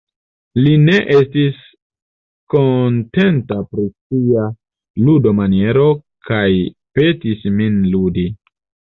Li ne estis kontenta pri sia ludomaniero kaj petis min ludi.